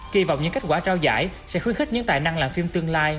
kỳ vọng những kết quả trao giải sẽ khuyến khích những tài năng làm phim tương lai